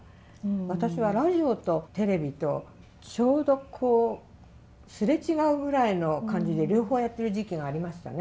私はラジオとテレビとちょうどこう擦れ違うぐらいの感じで両方やってる時期がありましたね。